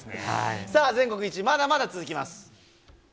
さあ、全国１位、まだまだ続きます。